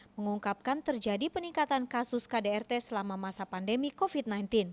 mengungkapkan terjadi peningkatan kasus kdrt selama masa pandemi covid sembilan belas